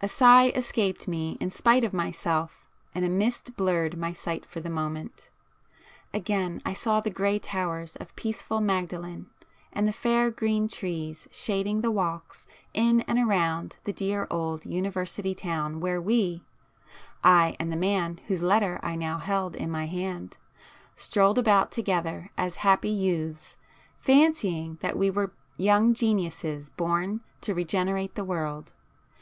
A sigh escaped me in spite of myself, and a mist blurred my sight for the moment. Again I saw the grey towers of peaceful Magdalen, and the fair green trees shading the walks in and around the dear old University town where we,—I and the man whose letter I now held in my hand,—strolled about together as happy youths, fancying that we were young geniuses born to regenerate the world.